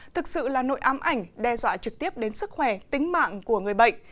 thực sự là nội ám ảnh đe dọa trực tiếp đến sức khỏe tính mạng của người bệnh